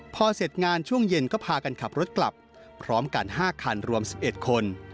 พอเสร็จงานช่วงเย็นก็พากันขับรถกลับพร้อมกัน๕คันรวม๑๑คน